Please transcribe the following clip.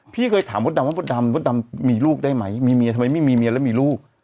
พี่เคยถามมดดำว่ามดดำมดดำมีลูกได้ไหมมีเมียทำไมไม่มีเมียแล้วมีลูก